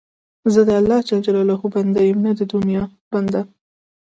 زه د الله جل جلاله بنده یم، نه د دنیا بنده.